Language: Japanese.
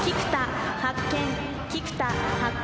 菊田発見。